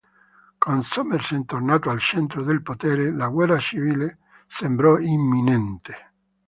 Con Somerset tornato al centro del potere, la guerra civile sembrò imminente.